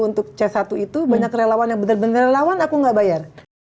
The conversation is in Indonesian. untuk c satu itu banyak relawan yang benar benar lawan aku nggak bayar